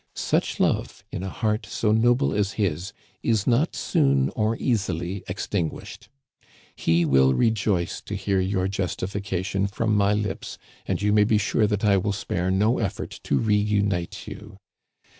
* Such love, in a heart so noble as his, is not soon or easily extinguished. He will rejoice to hear your justification from my lips, and you may be sure that I will spare no effort to re unite you.